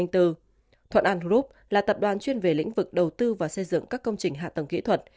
thuận an group là tập đoàn chuyên về lĩnh vực đầu tư và xây dựng các công trình hạ tầng kỹ thuật